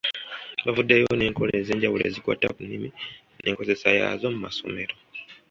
Bavuddeyo n’enkola ez’enjawulo ezikwata ku nnimi n’enkozesa yaazo mu masomero.